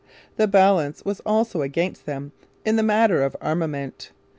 The balance was also against them in the matter of armament.